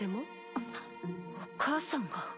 あっお母さんが？